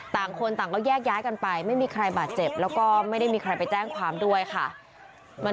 ต่างคนต่างก็แยกย้ายกันไปไม่มีใครบาดเจ็บแล้วก็ไม่ได้มีใครไปแจ้งความด้วยค่ะ